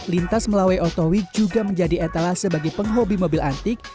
lintas melawai otowik juga menjadi etala sebagai penghobi mobil antik